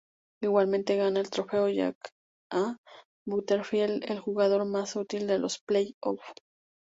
Igualmente gana el trofeo Jack A. Butterfield al jugador más útil de los Play-off.